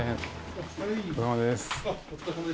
お疲れさまです